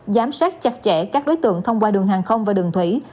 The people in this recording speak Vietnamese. giám sát chặt chẽ các đối tượng thông qua đường hàng không và đường thủy